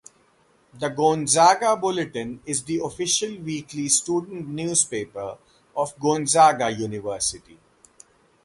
The Gonzaga Bulletin is the official, weekly student newspaper of Gonzaga University.